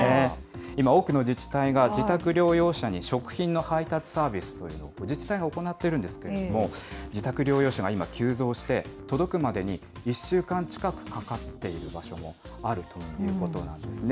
今、多くの自治体が自宅療養者に食品の配達サービスというのを自治体が行っているんですけれども、自宅療養者が今、急増して、届くまでに１週間近くかかっている場所もあるということなんですね。